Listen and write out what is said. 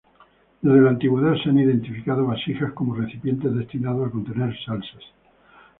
Desde la antigüedad se han identificado vasijas como recipientes destinados a contener salsas.